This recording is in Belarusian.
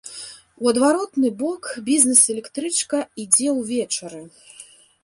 У адваротны бок бізнэс-электрычка ідзе ўвечары.